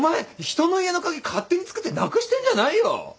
勝手に作ってなくしてんじゃないよ！